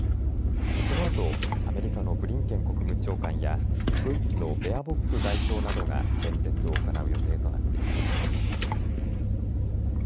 このあとアメリカのブリンケン国務長官やドイツのベアボック外相などが演説を行う予定となっています。